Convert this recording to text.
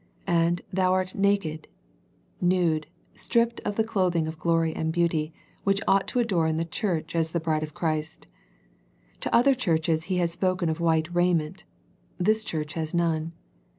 And " thou art naked," nude, stripped of the clothing of glory and beauty, which ought to adorn the church as the Bride of Jesus Christ. To other churches He has spoken of white rai ment. This church has none.